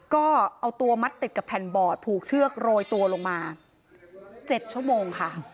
ก็เอาตัวมัดติดกับแผ่นบอร์ดผูกเชือกโรยตัวลงมา๗ชั่วโมงค่ะ